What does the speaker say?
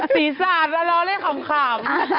ศีรศาสตร์แล้วเราเล่นขำ